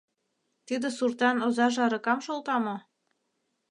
Тиде суртан озаже аракам шолта мо?